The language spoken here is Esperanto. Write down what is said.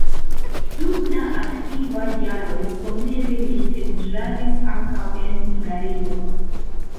Dum la aktivaj jaroj somere li pentradis ankaŭ en Hungario.